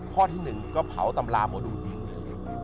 ข้อที่หนึ่งก็เผาตำราบอดูดหรือไม่